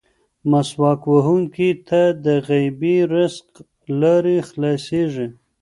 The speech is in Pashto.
مسواک وهونکي ته د غیبي رزق لارې خلاصېږي.